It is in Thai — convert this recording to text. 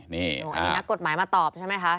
นักกฎหมายมาตอบใช่ไหมคะ